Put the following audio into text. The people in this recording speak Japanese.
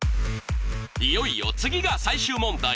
いよいよ次が最終問題！